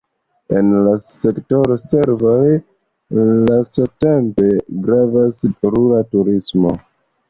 En la sektoro servoj lastatempe gravas rura turismo.